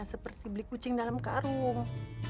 seperti beli kucing dalam karung